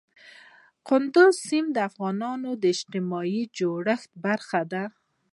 کندز سیند د افغانستان د اجتماعي جوړښت برخه ده.